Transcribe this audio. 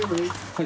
はい。